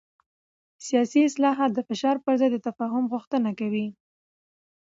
سیاسي اصلاحات د فشار پر ځای د تفاهم غوښتنه کوي